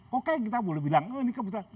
pokoknya kita boleh bilang oh ini kebetulan